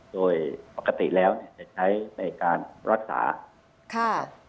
โดยปกติแล้วจะใช้ในการรักษา